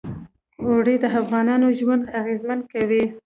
اوړي د افغانانو ژوند اغېزمن کوي.